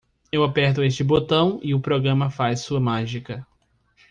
Eu aperto este botão e o programa faz sua mágica.